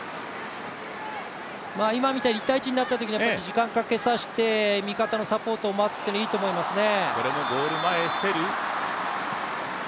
今みたいに１対１になったときに、時間をかけさせて味方のサポートを待つというのはいいと思いますね。